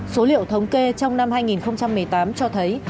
số liệu thống kê trong năm hai nghìn một mươi tám cho thấy